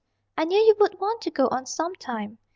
"I knew you would want to go on sometime.